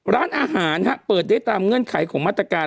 ร้านอาหารเปิดได้ตามเงื่อนไขของมาตรการ